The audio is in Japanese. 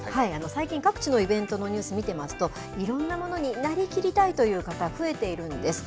最近各地のイベントのニュース、見ていますと、いろんなものになりきりたいという方、増えているんです。